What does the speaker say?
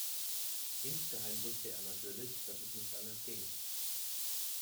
Insgeheim wusste er natürlich, dass es nicht anders ging.